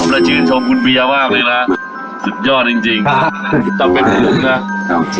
และชื่นชมคุณเบียมากเลยนะสุดยอดจริงจริงต้องเป็นผมนะครับ